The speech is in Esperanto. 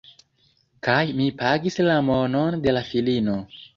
Kaj mi pagis la monon de la filino